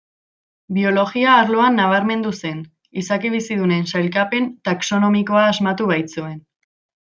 Biologia arloan nabarmendu zen, izaki bizidunen sailkapen taxonomikoa asmatu baitzuen.